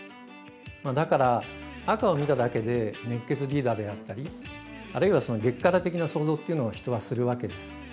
だから赤を見ただけで熱血リーダーであったりあるいは激辛的な想像っていうのを人はするわけです。